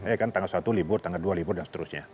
ya kan tanggal satu libur tanggal dua libur dan seterusnya